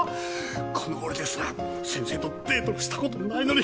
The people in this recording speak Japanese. この俺ですら先生とデートもしたことないのに。